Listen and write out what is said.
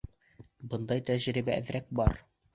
— Бындай тәжрибә әҙерәк бар.